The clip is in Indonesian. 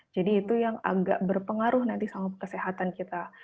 jadi itu yang agak berpengaruh nanti sama kesehatan kita